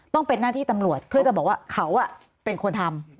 ต้องเป็นหน้าที่ตำรวจเพื่อจะบอกว่าเขาเป็นคนทำ